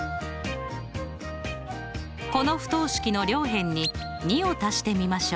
この不等式の両辺に２を足してみましょう。